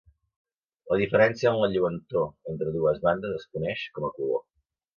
La diferència en la lluentor entre dues bandes es coneix com a color.